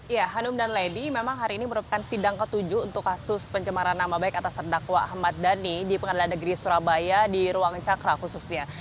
ya hanum dan lady memang hari ini merupakan sidang ketujuh untuk kasus pencemaran nama baik atas terdakwa ahmad dhani di pengadilan negeri surabaya di ruang cakra khususnya